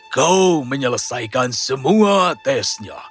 kau menyelesaikan semua tesnya